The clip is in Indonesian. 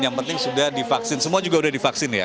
yang penting sudah divaksin semua juga sudah divaksin ya